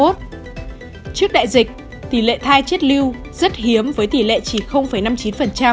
trước đại dịch tỷ lệ thai chết lưu rất hiếm với tỷ lệ chỉ năm mươi chín